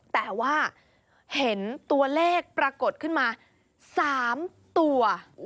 แต่ว่าเห็นตัวเลขปรากฏขึ้นมา๓ตัว